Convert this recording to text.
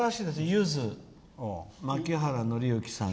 ゆず、槇原敬之さん